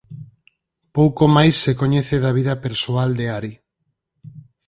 Pouco máis se coñece da vida persoal de Ari.